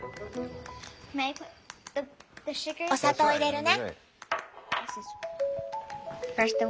お砂糖入れるね。